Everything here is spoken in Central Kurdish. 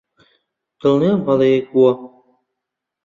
دڵنیام هەڵەیەک بووە.